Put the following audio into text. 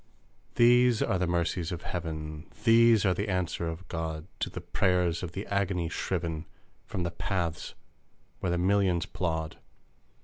These are the mercies of heaven, These are the answer of God To the prayers of the agony shriven, From the paths where the millions plod!